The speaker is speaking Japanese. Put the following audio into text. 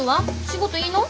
仕事いいの？